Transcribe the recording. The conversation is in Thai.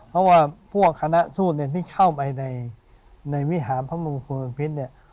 เพราะว่าพวกคณะสู้ที่เข้าไปในวิหาพระมงคลบัตรฤทธิ์เนี่ย